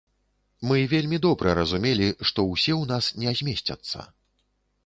Мы вельмі добра разумелі, што ўсе ў нас не змесцяцца.